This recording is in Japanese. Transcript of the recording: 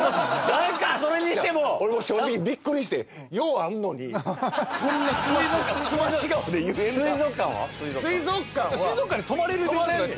何かそれにしても俺も正直ビックリしてようあんのにそんなすまし顔で言えるな水族館は泊まれんねん